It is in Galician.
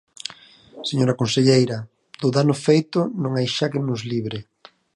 Señora conselleira, do dano feito non hai xa quen nos libre.